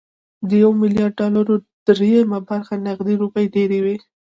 د يو ميليارد ډالرو درېيمه برخه نغدې روپۍ ډېرې وي